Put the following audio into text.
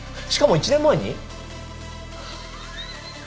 しかも１年前に？